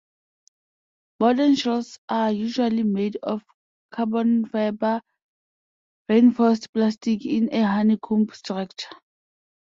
Modern shells are usually made of carbon-fibre reinforced plastic in a honeycomb structure.